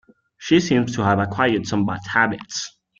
She seems to have acquired some bad habits